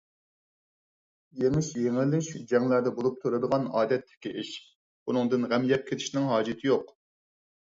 يېڭىش - يېڭىلىش جەڭلەردە بولۇپ تۇرىدىغان ئادەتتىكى ئىش، بۇنىڭدىن غەم يەپ كېتىشنىڭ ھاجىتى يوق.